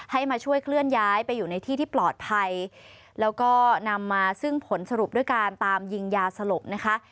ให้มาช่วยเคลื่อนย้ายไปอยู่ในที่ที่ปลอดภัยแล้วก็นำมาซึ่งผลสรุปด้วยการตามยิงยาสลบนะคะ